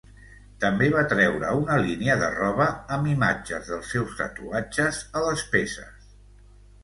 També va treure una línia de roba amb imatges dels seus tatuatges a les peces.